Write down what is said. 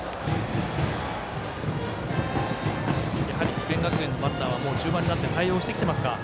智弁学園のバッターは中盤になって対応してきていますか。